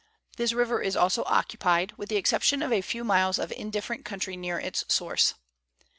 This river is also occupied, with the exception of a few miles of indifferent country near its source.